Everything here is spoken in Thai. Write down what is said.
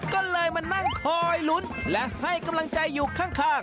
ก็เลยมานั่งคอยลุ้นและให้กำลังใจอยู่ข้าง